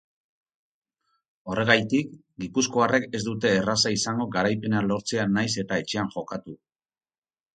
Horregaitik, gipuzkoarrek ez dute erraza izango garaipena lortzea nahiz eta etxean jokatu.